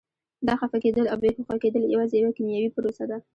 دا خفه کېدل او بې هوښه کېدل یوازې یوه کیمیاوي پروسه ده.